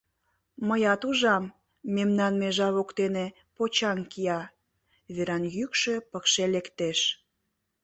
— Мыят ужам, мемнан межа воктене почаҥ кия, — Веран йӱкшӧ пыкше лектеш.